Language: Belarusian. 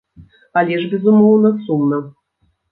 Але ж, безумоўна, сумна.